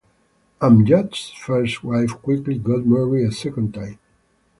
Amjad's first wife quickly got married a second time.